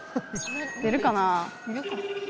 出るかな？